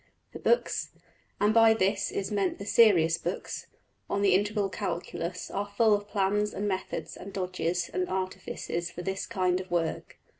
The books and by this is meant the serious books on the Integral Calculus are full of plans and methods and dodges and artifices for this kind of work.